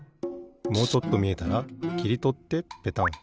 もうちょっとみえたらきりとってペタン。